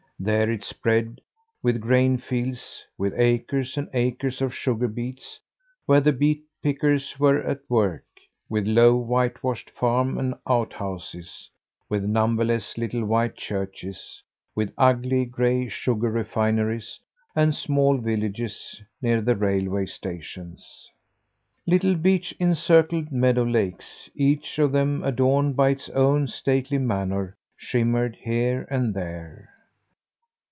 There it spread, with grain fields; with acres and acres of sugar beets, where the beet pickers were at work; with low whitewashed farm and outhouses; with numberless little white churches; with ugly, gray sugar refineries and small villages near the railway stations. Little beech encircled meadow lakes, each of them adorned by its own stately manor, shimmered here and there.